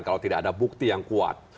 kalau tidak ada bukti yang kuat